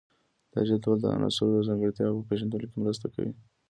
دا جدول د عناصرو د ځانګړتیاوو په پیژندلو کې مرسته کوي.